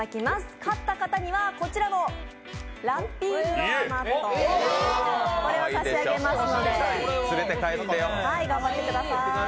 買った方にはこちらのラッピーフロアマットを差し上げますので頑張ってください。